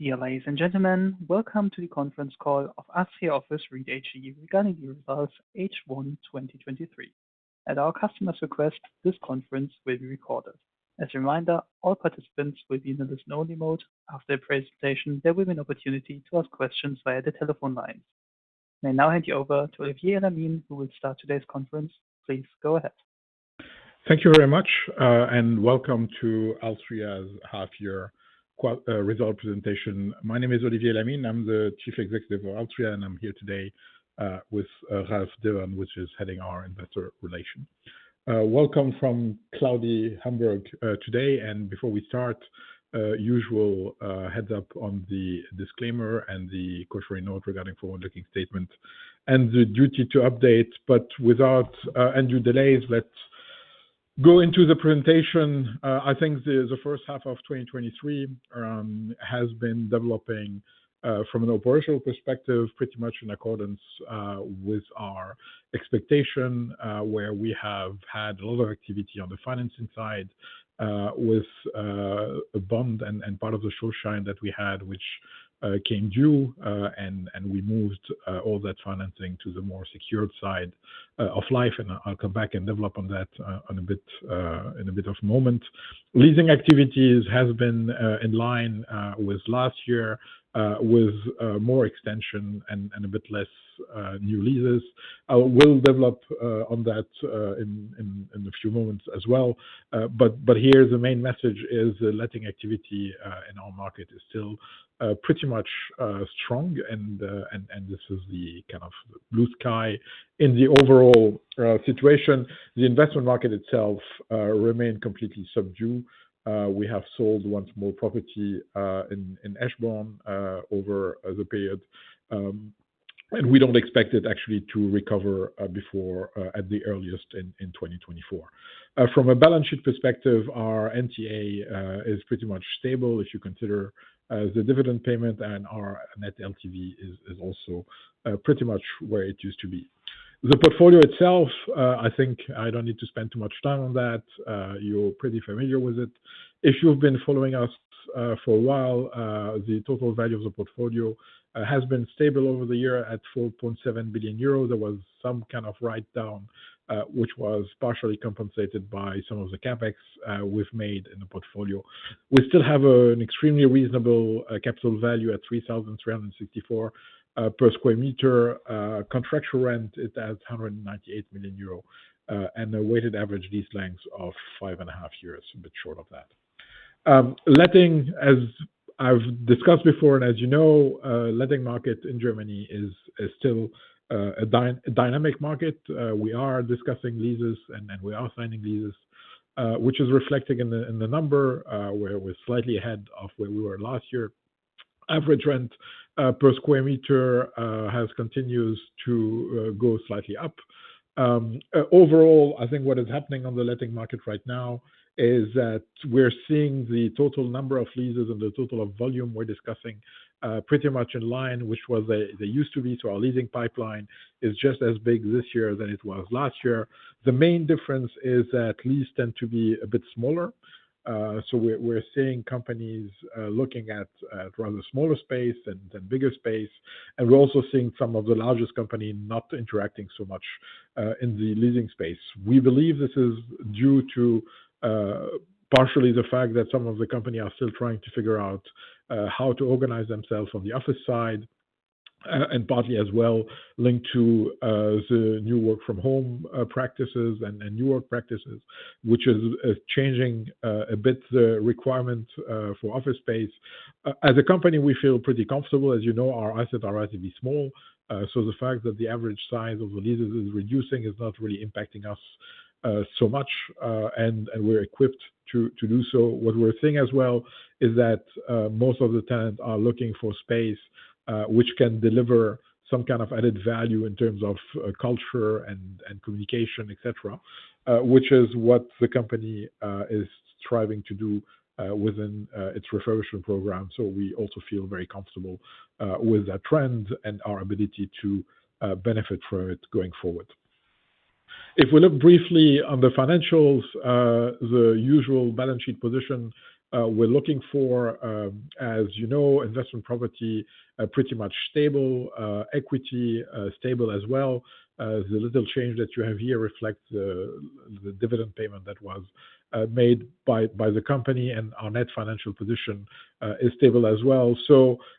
Dear ladies and gentlemen, welcome to the conference call of alstria office REIT-AG regarding the results H1 2023. At our customer's request, this conference will be recorded. As a reminder, all participants will be in the listen only mode. After the presentation, there will be an opportunity to ask questions via the telephone line. I now hand you over to Olivier Elamine, who will start today's conference. Please go ahead. Thank you very much, welcome to alstria's half year result presentation. My name is Olivier Elamine. I'm the Chief Executive of alstria. I'm here today with Ralf Dibbern, which is heading our Investor Relations. Welcome from cloudy Hamburg today. Before we start, usual heads up on the disclaimer and the cautionary note regarding forward-looking statements and the duty to update. Without any delays, let's go into the presentation. I think the first half of 2023 has been developing from an operational perspective, pretty much in accordance with our expectation, where we have had a lot of activity on the financing side, with a bond and part of the Schuldschein that we had, which came due, and we moved all that financing to the more secured side of life. I'll come back and develop on that in a bit of moment. Leasing activities has been in line with last year, with more extension and a bit less new leases. We'll develop on that in a few moments as well. Here the main message is the letting activity in our market is still pretty much strong, and this is the kind of blue sky. In the overall situation, the investment market itself remained completely subdued. We have sold once more property in Eschborn over the period. We don't expect it actually to recover before at the earliest in 2024. From a balance sheet perspective, our NTA is pretty much stable if you consider the dividend payment and our net LTV is also pretty much where it used to be. The portfolio itself, I think I don't need to spend too much time on that. You're pretty familiar with it. If you've been following us, for a while, the total value of the portfolio has been stable over the year at 4.7 billion euros. There was some kind of write down, which was partially compensated by some of the CapEx we've made in the portfolio. We still have an extremely reasonable capital value at 3,364 per sq m. Contractual rent is at 198 million euro and a weighted average lease lengths of 5.5 years, a bit short of that. Letting, as I've discussed before, and as you know, letting market in Germany is, is still a dynamic market. We are discussing leases, and then we are signing leases, which is reflecting in the number, where we're slightly ahead of where we were last year. Average rent per square meter has continues to go slightly up. Overall, I think what is happening on the letting market right now is that we're seeing the total number of leases and the total of volume we're discussing pretty much in line, which was the, they used to be. Our leasing pipeline is just as big this year than it was last year. The main difference is that lease tend to be a bit smaller. We're seeing companies looking at rather smaller space than bigger space. We're also seeing some of the largest company not interacting so much in the leasing space. We believe this is due to partially the fact that some of the company are still trying to figure out how to organize themselves on the office side, and partly as well linked to the new work from home practices and, and new work practices, which is changing a bit the requirement for office space. As a company, we feel pretty comfortable. As you know, our assets are relatively small. So the fact that the average size of the leases is reducing is not really impacting us so much, and, and we're equipped to, to do so. What we're seeing as well is that most of the tenants are looking for space, which can deliver some kind of added value in terms of culture and communication, et cetera, which is what the company is striving to do within its refurbishment program. We also feel very comfortable with that trend and our ability to benefit from it going forward. If we look briefly on the financials, the usual balance sheet position we're looking for, as you know, investment property, pretty much stable, equity stable as well. The little change that you have here reflects the dividend payment that was made by the company, and our net financial position is stable as well.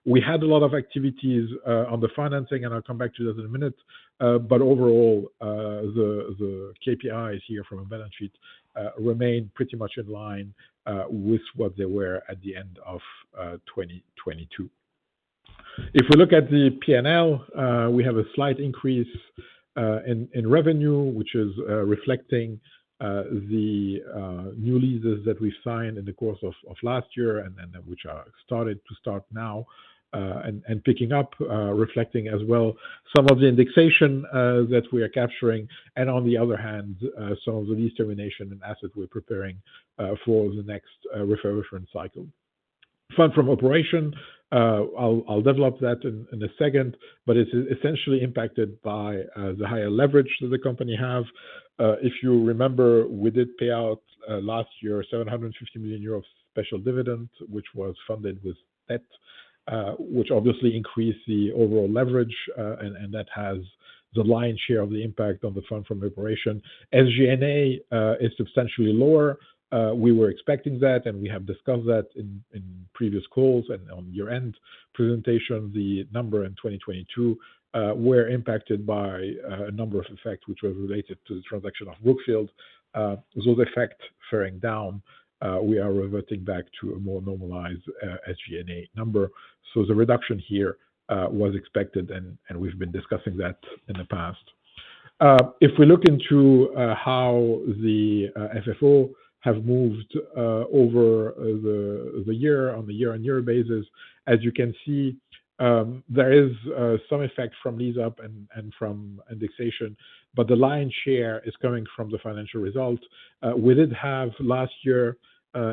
We had a lot of activities, on the financing, and I'll come back to that in a minute. Overall, the, the KPIs here from a balance sheet, remain pretty much in line, with what they were at the end of, 2022. If we look at the P&L, we have a slight increase, in, in revenue, which is, reflecting, the, new leases that we signed in the course of, of last year and then which are started to start now, and, and picking up, reflecting as well some of the indexation, that we are capturing and on the other hand, some of the lease termination and assets we're preparing, for the next, refurbishment cycle. Fund from operation, I'll, I'll develop that in, in a second, but it's essentially impacted by the higher leverage that the company have. If you remember, we did pay out, last year, 750 million euros special dividend, which was funded with debt. which obviously increase the overall leverage, and, and that has the lion's share of the impact on the funds from operations. SG&A is substantially lower. We were expecting that, and we have discussed that in, in previous calls and on year-end presentation. The number in 2022, were impacted by a number of effects which were related to the transaction of Brookfield. Those effects fairing down, we are reverting back to a more normalized, SG&A number. So the reduction here, was expected, and, and we've been discussing that in the past. If we look into how the FFO have moved over the year, on the year-on-year basis, as you can see, there is some effect from lease up and from indexation, but the lion's share is coming from the financial results. We did have last year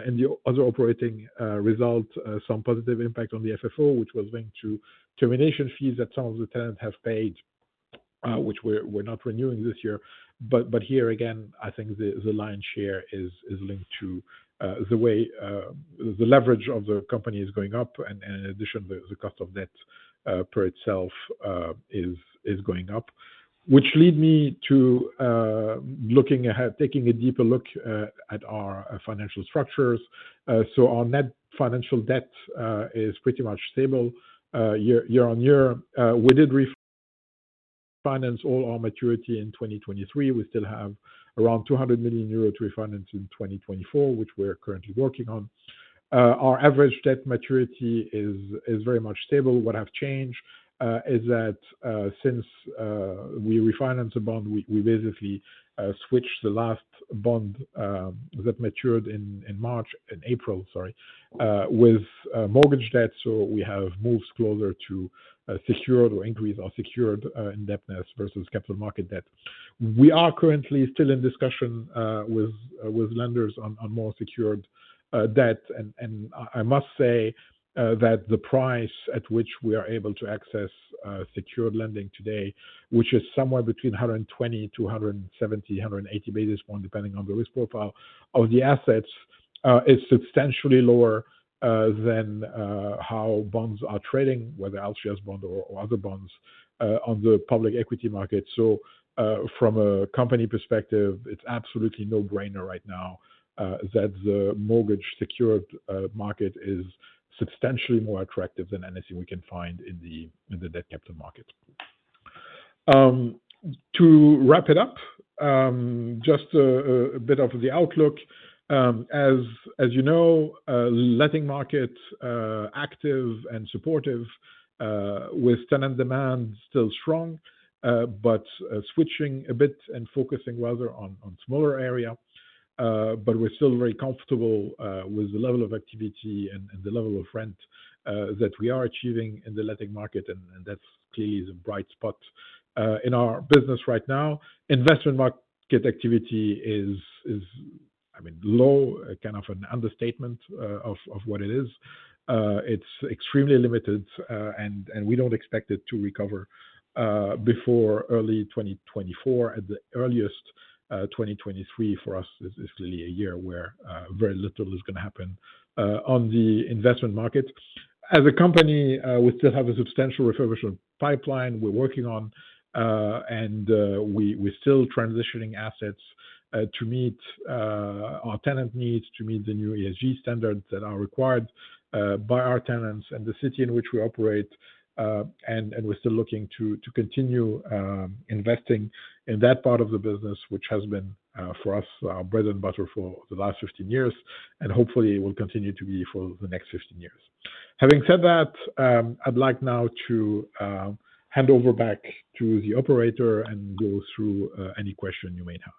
in the other operating results some positive impact on the FFO, which was linked to termination fees that some of the tenants have paid, which we're not renewing this year. But here again, I think the lion's share is linked to the way the leverage of the company is going up. And in addition, the cost of debt per itself is going up, which lead me to looking ahead, taking a deeper look at our financial structures. Our net financial debt is pretty much stable year-on-year. We did refinance all our maturity in 2023. We still have around 200 million euro to refinance in 2024, which we're currently working on. Our average debt maturity is very much stable. What have changed is that since we refinanced the bond, we basically switched the last bond that matured in March. In April, sorry, with mortgage debt. We have moved closer to secured or increased our secured indebtedness versus capital market debt. We are currently still in discussion with lenders on more secured debt. I, I must say, that the price at which we are able to access secured lending today, which is somewhere between 120 to 170, 180 basis point, depending on the risk profile of the assets, is substantially lower than how bonds are trading, whether alstria's bond or, or other bonds, on the public equity market. From a company perspective, it's absolutely no-brainer right now, that the mortgage secured market is substantially more attractive than anything we can find in the, in the debt capital market. To wrap it up, just a bit of the outlook. As, as you know, letting market active and supportive with tenant demand still strong, switching a bit and focusing rather on, on smaller area. We're still very comfortable with the level of activity and the level of rent that we are achieving in the letting market, and that's clearly is a bright spot in our business right now. Investment market activity is, is, I mean, low, kind of an understatement of what it is. It's extremely limited, and we don't expect it to recover before early 2024 at the earliest. 2023 for us is, is clearly a year where very little is going to happen on the investment market. As a company, we still have a substantial refurbishment pipeline we're working on, and we, we're still transitioning assets to meet our tenant needs, to meet the new ESG standards that are required by our tenants and the city in which we operate. We're still looking to, to continue investing in that part of the business, which has been for us, our bread and butter for the last 15 years, and hopefully will continue to be for the next 15 years. Having said that, I'd like now to hand over back to the operator and go through any question you may have.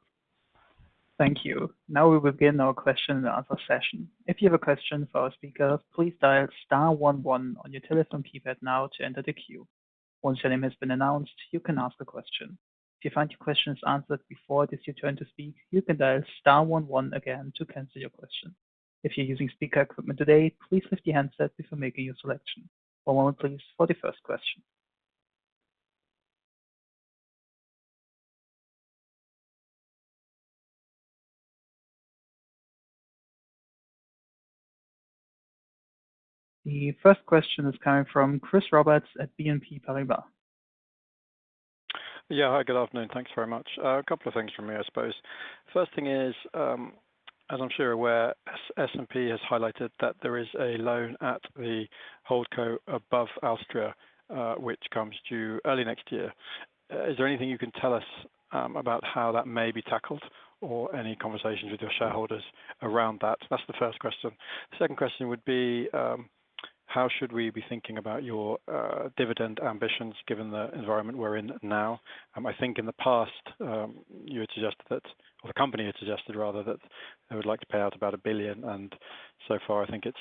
Thank you. Now we will begin our question-and-answer session. If you have a question for our speakers, please dial star one one on your telephone keypad now to enter the queue. Once your name has been announced, you can ask a question. If you find your question is answered before it is your turn to speak, you can dial star one one again to cancel your question. If you're using speaker equipment today, please lift your handset before making your selection. One moment please, for the first question. The first question is coming from Chris Roberts at BNP Paribas. Yeah. Hi, good afternoon. Thanks very much. A couple of things from me, I suppose. First thing is, as I'm sure you're aware, S&P has highlighted that there is a loan at the Holdco above alstria, which comes due early next year. Is there anything you can tell us about how that may be tackled or any conversations with your shareholders around that? That's the first question. The second question would be, how should we be thinking about your dividend ambitions, given the environment we're in now? I think in the past, you had suggested that, or the company had suggested rather, that they would like to pay out about 1 billion, and so far I think it's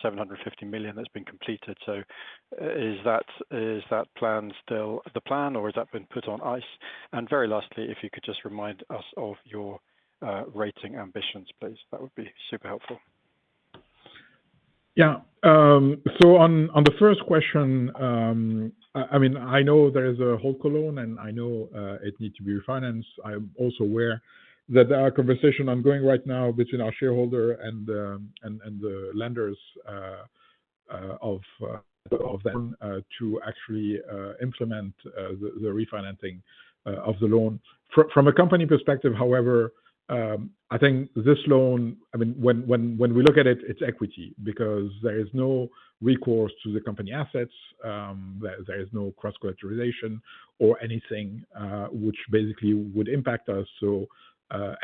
750 million that's been completed. Is that, is that plan still the plan, or has that been put on ice? Very lastly, if you could just remind us of your rating ambitions, please. That would be super helpful. Yeah. On, on the first question, I mean, I know there is a whole loan, and I know it needs to be refinanced. I'm also aware that there are conversations ongoing right now between our shareholder and the, and the lenders of them to actually implement the refinancing of the loan. From, from a company perspective, however, I think this loan, I mean, when, when, when we look at it, it's equity. There is no recourse to the company assets, there, there is no cross collateralization or anything which basically would impact us.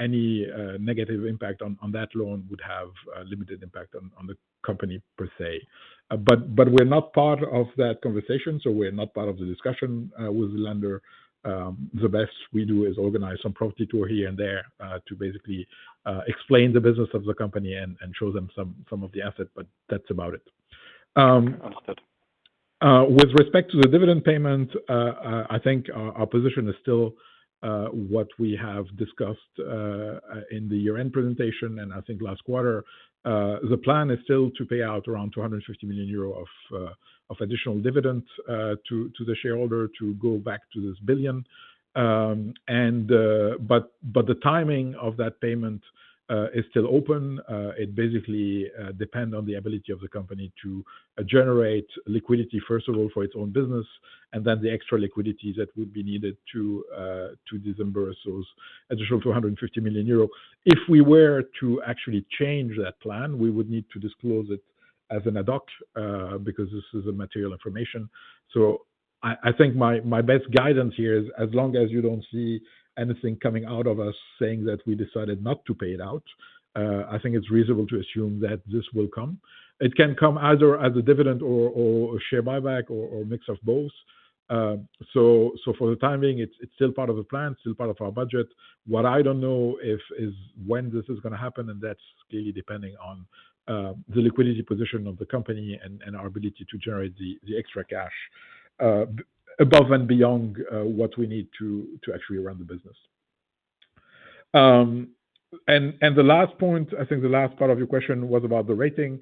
Any negative impact on that loan would have limited impact on the company per se. We're not part of that conversation, so we're not part of the discussion with the lender. The best we do is organize some property tour here and there to basically explain the business of the company and, and show them some, some of the assets, but that's about it. With respect to the dividend payment, I think our position is still what we have discussed in the year-end presentation, and I think last quarter. The plan is still to pay out around 250 million euro of additional dividends to the shareholder to go back to this 1 billion. The timing of that payment is still open. It basically depends on the ability of the company to generate liquidity, first of all, for its own business, and then the extra liquidity that would be needed to disburse those additional 250 million euro. If we were to actually change that plan, we would need to disclose it as an ad hoc, because this is a material information. I, I think my, my best guidance here is as long as you don't see anything coming out of us saying that we decided not to pay it out, I think it's reasonable to assume that this will come. It can come either as a dividend or, or a share buyback, or, or a mix of both. For the time being, it's, it's still part of the plan, still part of our budget. What I don't know if, is when this is gonna happen. That's really depending on the liquidity position of the company and our ability to generate the extra cash above and beyond what we need to actually run the business. The last point, I think the last part of your question was about the rating.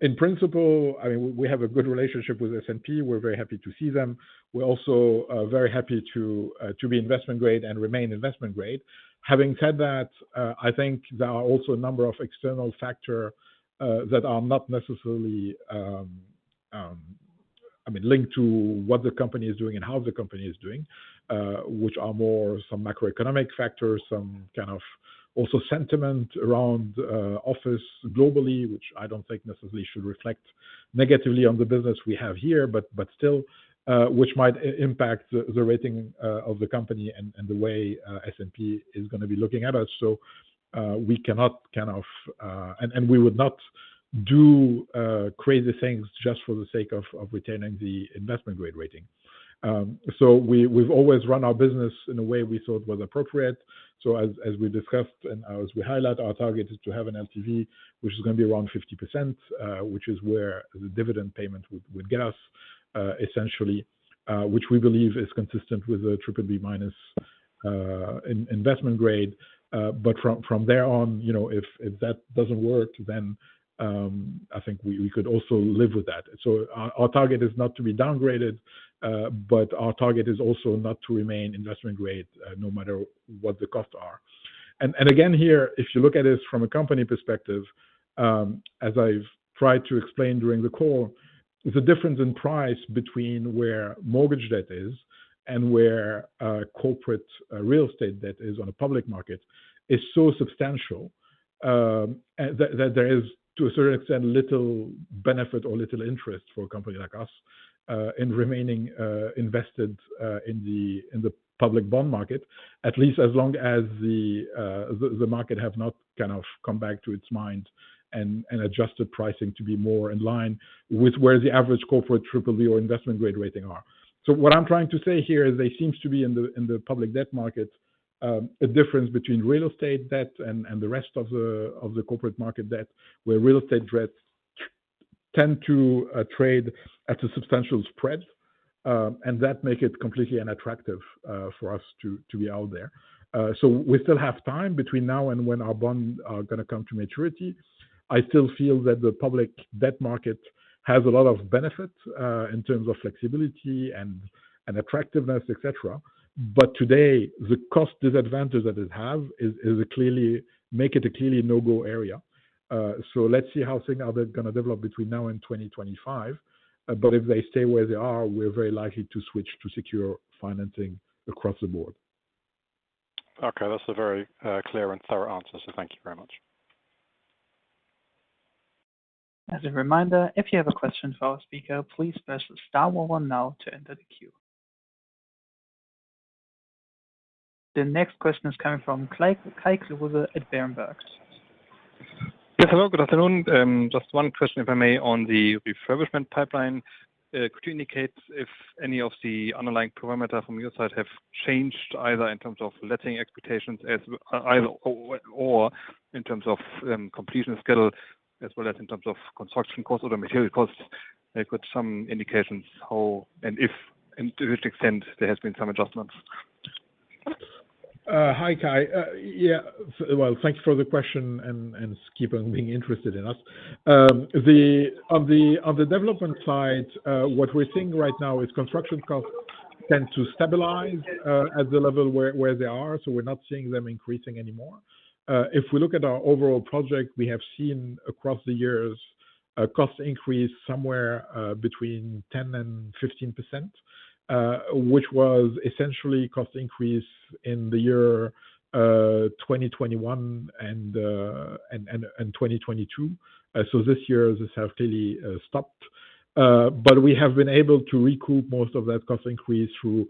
In principle, I mean, we have a good relationship with S&P. We're very happy to see them. We're also very happy to be investment grade and remain investment grade. Having said that, I think there are also a number of external factor that are not necessarily, I mean, linked to what the company is doing and how the company is doing. Which are more some macroeconomic factors, some kind of also sentiment around office globally, which I don't think necessarily should reflect negatively on the business we have here. Still, which might impact the rating of the company and the way S&P is going to be looking at us. We cannot kind of. We would not do crazy things just for the sake of retaining the investment grade rating. We, we've always run our business in a way we thought was appropriate. As, as we discussed and as we highlight, our target is to have an LTV, which is going to be around 50%, which is where the dividend payment would get us essentially. Which we believe is consistent with the triple B minus investment grade. From, from there on, you know, if, if that doesn't work, then, I think we, we could also live with that. Our, our target is not to be downgraded, but our target is also not to remain investment grade, no matter what the costs are. Again, here, if you look at this from a company perspective, as I've tried to explain during the call, the difference in price between where mortgage debt is and where, corporate, real estate debt is on a public market, is so substantial, that, that there is, to a certain extent, little benefit or little interest for a company like us, in remaining, invested, in the, in the public bond market. At least as long as the, the, the market have not kind of come back to its mind and, and adjusted pricing to be more in line with where the average corporate triple B investment grade rating are. What I'm trying to say here is there seems to be in the, in the public debt market, a difference between real estate debt and, and the rest of the, of the corporate market debt, where real estate debts tend to trade at a substantial spread. That make it completely unattractive for us to, to be out there. We still have time between now and when our bonds are gonna come to maturity. I still feel that the public debt market has a lot of benefits, in terms of flexibility and, and attractiveness, et cetera. Today, the cost disadvantage that it has make it a clearly no-go area. Let's see how things are gonna develop between now and 2025. If they stay where they are, we're very likely to switch to secure financing across the board. Okay. That's a very clear and thorough answer, so thank you very much. As a reminder, if you have a question for our speaker, please press star one now to enter the queue. The next question is coming from Kai Klose at Berenberg. Yes, hello. Good afternoon. Just one question, if I may, on the refurbishment pipeline. Could you indicate if any of the underlying parameters from your side have changed, either in terms of letting expectations as either or, or, or in terms of completion schedule, as well as in terms of construction costs or the material costs? I got some indications how and if, and to which extent there has been some adjustments. Hi, Kai. Yeah, well, thank you for the question and keeping being interested in us. On the, on the development side, what we're seeing right now is construction costs tend to stabilize at the level where they are, so we're not seeing them increasing anymore. If we look at our overall project, we have seen across the years, a cost increase somewhere between 10% and 15%, which was essentially cost increase in the year 2021 and 2022. This year this have clearly stopped. We have been able to recoup most of that cost increase through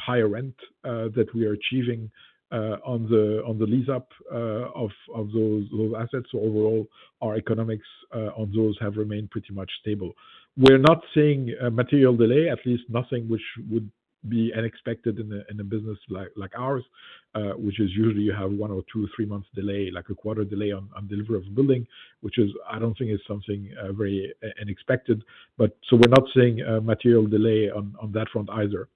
higher rent that we are achieving on the lease up of those assets. Overall, our economics on those have remained pretty much stable. We're not seeing a material delay, at least nothing which would be unexpected in a business like ours, which is usually you have one or two, three months delay, like a quarter delay on delivery of building, which is... I don't think it's something very unexpected. We're not seeing a material delay on, on that front either.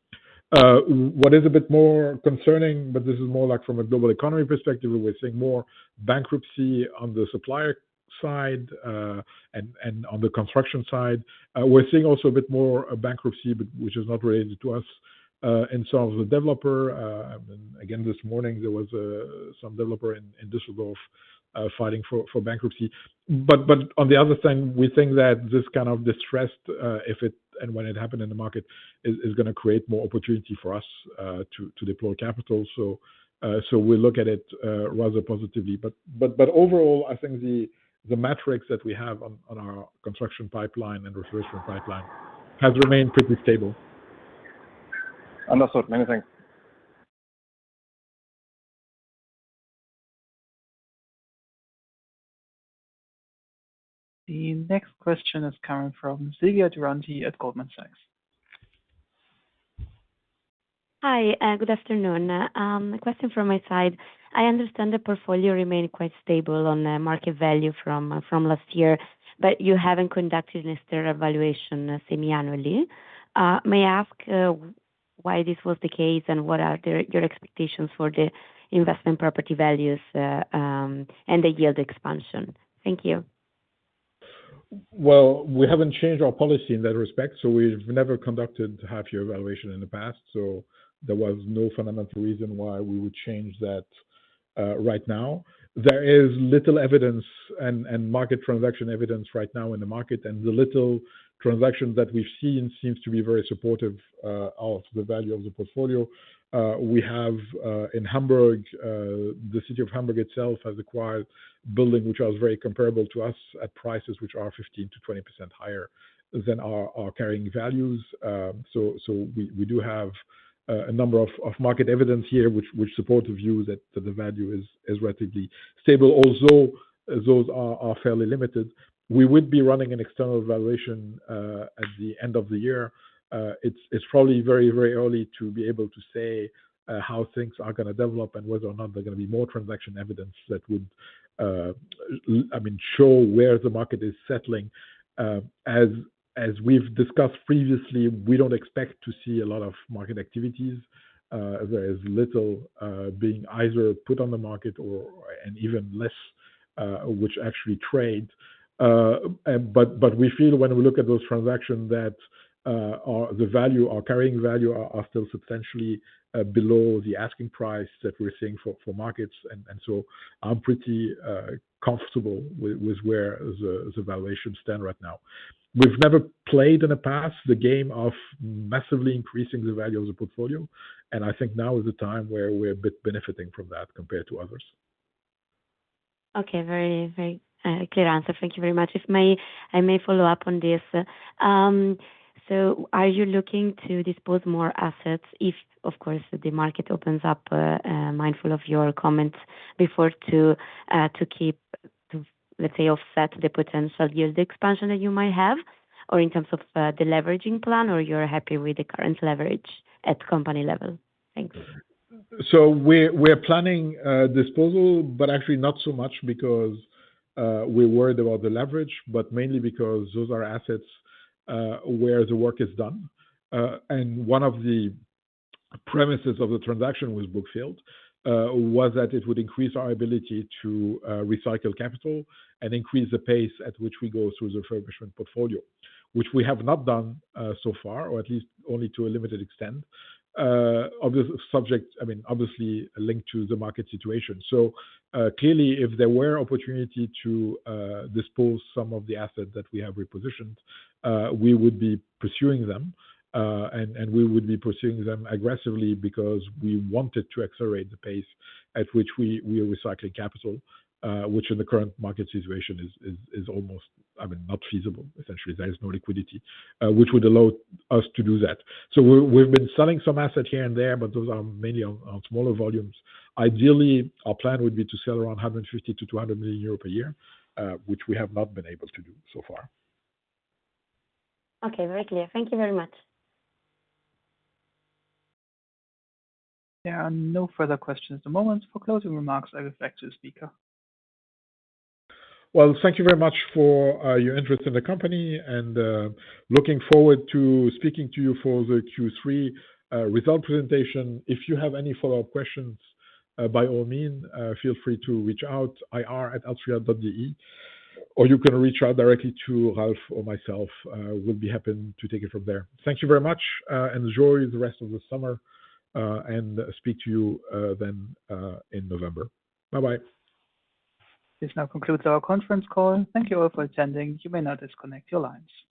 What is a bit more concerning, but this is more like from a global economy perspective, we're seeing more bankruptcy on the supplier side, and, and on the construction side. We're seeing also a bit more bankruptcy, but which is not related to us, and some of the developer. Again, this morning, there was some developer in Düsseldorf fighting for bankruptcy. On the other side, we think that this kind of distressed, if it and when it happened in the market, is, is gonna create more opportunity for us to, to deploy capital. So we look at it rather positively. Overall, I think the, the metrics that we have on, on our construction pipeline and restoration pipeline has remained pretty stable. Understood. Many thanks. The next question is coming from Silvia Duranti at Goldman Sachs. Hi, good afternoon. A question from my side. I understand the portfolio remained quite stable on the market value from, from last year, you haven't conducted an external evaluation semi-annually. May I ask why this was the case, what are your expectations for the investment property values, and the yield expansion? Thank you. We haven't changed our policy in that respect, so we've never conducted half year evaluation in the past, so there was no fundamental reason why we would change that right now. There is little evidence and, and market transaction evidence right now in the market, and the little transaction that we've seen seems to be very supportive of the value of the portfolio. We have in Hamburg, the city of Hamburg itself has acquired building, which was very comparable to us at prices which are 15%-20% higher than our, our carrying values. So, so we, we do have a number of, of market evidence here, which, which support the view that the value is, is relatively stable, although those are, are fairly limited. We would be running an external evaluation at the end of the year. It's, it's probably very, very early to be able to say, how things are gonna develop and whether or not there are gonna be more transaction evidence that would, I mean, show where the market is settling. As, as we've discussed previously, we don't expect to see a lot of market activities. There is little, being either put on the market or, and even less, which actually trade. But we feel when we look at those transactions that, our... the value, our carrying value are, are still substantially, below the asking price that we're seeing for, for markets. I'm pretty comfortable with, with where the, the valuations stand right now. We've never played in the past, the game of massively increasing the value of the portfolio, and I think now is the time where we're a bit benefiting from that compared to others. Okay. Very, very clear answer. Thank you very much. If may, I may follow up on this. Are you looking to dispose more assets, if, of course, the market opens up, mindful of your comments before to keep, to, let's say, offset the potential yield expansion that you might have, or in terms of the leveraging plan, or you're happy with the current leverage at company level? Thanks. We're, we're planning disposal, but actually not so much because we're worried about the leverage, but mainly because those are assets where the work is done. And one of the premises of the transaction with Brookfield was that it would increase our ability to recycle capital and increase the pace at which we go through the refurbishment portfolio. Which we have not done so far, or at least only to a limited extent. I mean, obviously linked to the market situation. Clearly, if there were opportunity to dispose some of the assets that we have repositioned, we would be pursuing them, and we would be pursuing them aggressively because we wanted to accelerate the pace at which we, we are recycling capital, which in the current market situation is, is, is almost, I mean, not feasible. Essentially, there is no liquidity, which would allow us to do that. We've, we've been selling some assets here and there, but those are mainly on, on smaller volumes. Ideally, our plan would be to sell around 150 million-200 million euros per year, which we have not been able to do so far. Okay. Very clear. Thank you very much. There are no further questions at the moment. For closing remarks, I give back to the speaker. Well, thank you very much for your interest in the company, and looking forward to speaking to you for the Q3 result presentation. If you have any follow-up questions, by all means, feel free to reach out ir@alstria.de, or you can reach out directly to Ralf or myself. We'll be happy to take it from there. Thank you very much, and enjoy the rest of the summer, and speak to you then in November. Bye-bye. This now concludes our conference call. Thank you all for attending. You may now disconnect your lines.